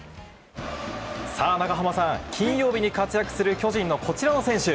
長濱さん、金曜日に活躍する巨人のこちらの選手。